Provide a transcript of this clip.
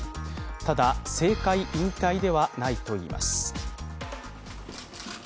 ただ、政界引退ではないといいます